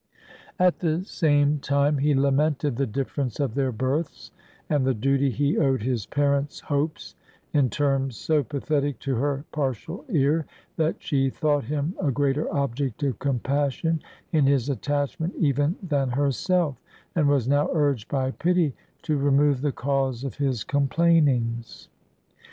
At the same time he lamented "the difference of their births, and the duty he owed his parents' hopes," in terms so pathetic to her partial ear, that she thought him a greater object of compassion in his attachment even than herself; and was now urged by pity to remove the cause of his complainings.